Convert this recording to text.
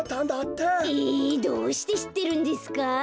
えどうしてしってるんですか？